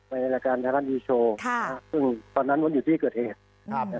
ในรายการไทยรัฐนิวโชว์ซึ่งตอนนั้นมดอยู่ที่เกิดเหตุ